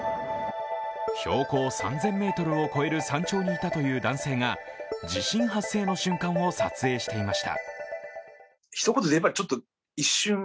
標高３０００ｍを超える山頂にいたという男性が、地震発生の瞬間を撮影していました。